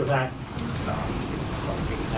แรกหวาดขยะ